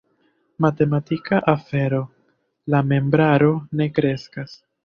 Matematika afero: la membraro ne kreskas.